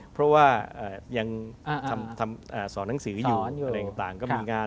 เพราะว่ายังทำสอนหนังสืออยู่อะไรต่างก็มีงาน